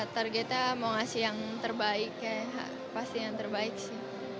targetnya mau ngasih yang terbaik ya pasti yang terbaik sih